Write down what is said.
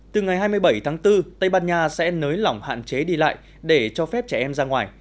từ ngày hai mươi bảy tháng bốn tây ban nha sẽ nới lỏng hạn chế đi lại để cho phép trẻ em ra ngoài